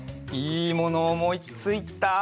いいものおもいついた！